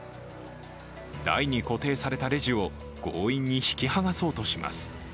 台に固定されたレジを、強引に引きはがそうとします。